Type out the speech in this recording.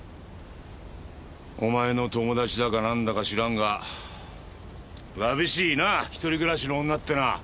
お前の友達だかなんだか知らんがわびしいなぁ一人暮らしの女ってのは。